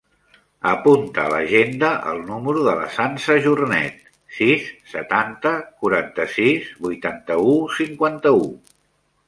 Apunta a l'agenda el número de la Sança Jornet: sis, setanta, quaranta-sis, vuitanta-u, cinquanta-u.